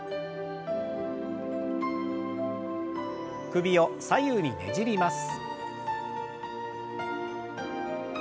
首を左右にねじります。